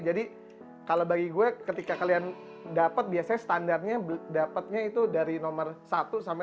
jadi kalau bagi gue ketika kalian dapat biasanya standarnya dapatnya itu dari nomor satu sampai